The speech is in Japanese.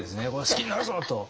「好きになるぞ！」と。